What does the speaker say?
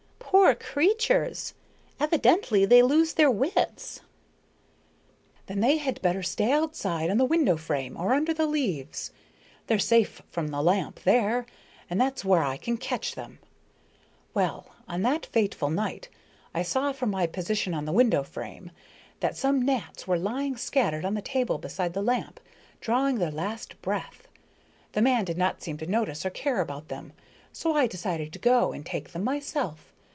"Poor creatures! Evidently they lose their wits." "Then they had better stay outside on the window frame or under the leaves. They're safe from the lamp there, and that's where I can catch them. Well, on that fateful night I saw from my position on the window frame that some gnats were lying scattered on the table beside the lamp drawing their last breath. The man did not seem to notice or care about them, so I decided to go and take them myself.